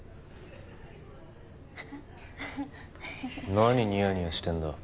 何ニヤニヤしてんだ？